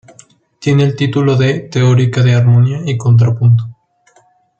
Tiene el título de "Teórica de armonía y contrapunto".